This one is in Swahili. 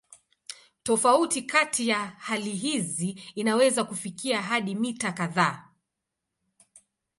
Tofauti kati ya hali hizi inaweza kufikia hadi mita kadhaa.